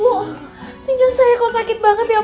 bu tinggal saya kok sakit banget ya bu